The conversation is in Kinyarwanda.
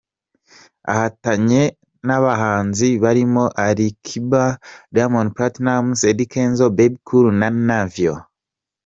Ahatanye n’abahanzi barimo Ali Kiba, Diamond Platnumz, Eddy Kenzo, Bebe Cool na Navio.